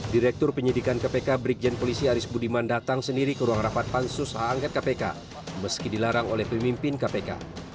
direktur penyidikan kpk brigjen polisi aris budiman datang sendiri ke ruang rapat pansus angket kpk meski dilarang oleh pemimpin kpk